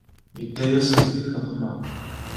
Yedda-yasent di nneqma.